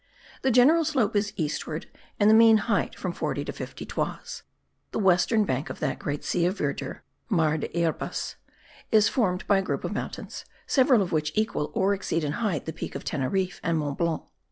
The general slope is eastward, and the mean height from 40 to 50 toises. The western bank of that great sea of verdure (mar de yerbas) is formed by a group of mountains, several of which equal or exceed in height the Peak of Teneriffe and Mont Blanc.